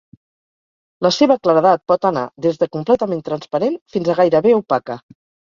La seva claredat pot anar des de completament transparent fins a gairebé opaca.